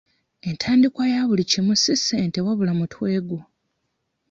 Entandikwa ya buli kimu si ssente wabula mutwe gwo.